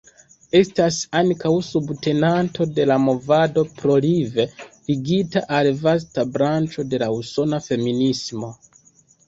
Estas ankaŭ subtenanto de la movado "Pro-Live", ligita al vasta branĉo de usona feminismo.